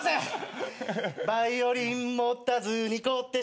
「バイオリン持たずに小手伸也」